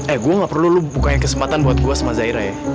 eh gue gak perlu lo bukain kesempatan buat gue sama zaira ya